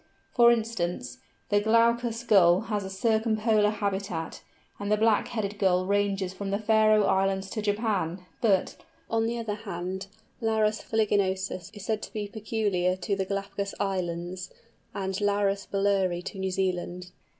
For instance, the Glaucous Gull has a circumpolar habitat, and the Black headed Gull ranges from the Faröe Islands to Japan; but, on the other hand, Larus fuliginosus is said to be peculiar to the Galapagos Islands and Larus bulleri to New Zealand.